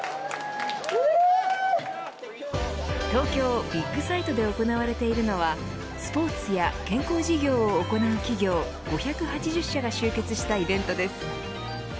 東京ビッグサイトで行われているのはスポーツや健康事業を行う企業５８０社が集結したイベントです。